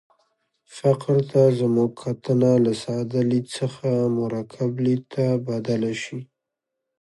فقر ته زموږ کتنه له ساده لید څخه مرکب لید ته بدله شي.